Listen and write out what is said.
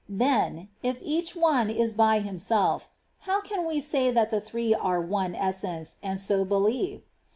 Then, if each one is by Himself, how can we say that the Three are one Essence, and so believe